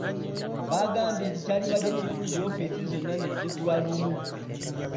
Baagambye nti kyandibadde kirungi ofiisi zonna ne ziggulawo lumu.